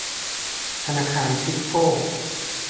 ธนาคารทิสโก้